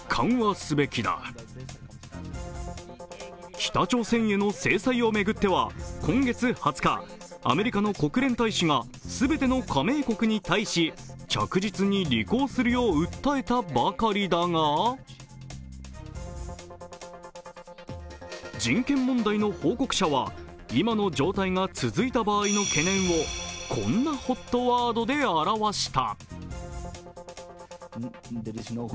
北朝鮮への制裁を巡っては今月２０日、アメリカの国連大使が全ての加盟国に対し、着実に履行するよう訴えたばかりだが人権問題の報告者は、今の状態が続いた場合の懸念をこんなＨＯＴワードで表した。